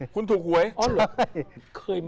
คุณถูกหวย